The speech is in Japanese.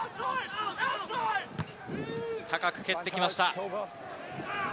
高く蹴ってきました。